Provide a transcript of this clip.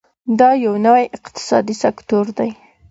دا یو نوی اقتصادي سکتور دی.